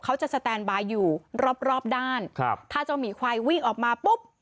เขาจะสแตนบายอยู่รอบรอบด้านครับถ้าเจ้าหมีควายวิ่งออกมาปุ๊บ